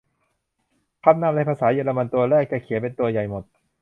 คำนามในภาษาเยอรมันตัวแรกจะเขียนเป็นตัวใหญ่หมด